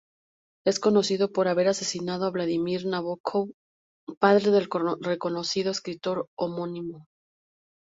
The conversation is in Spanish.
Es conocido por haber asesinado a Vladimir Nabokov, padre del reconocido escritor homónimo.